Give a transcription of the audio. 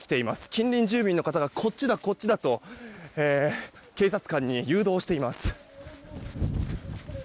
近隣住民の方がこっちだ、こっちだと警察官に誘導をしています。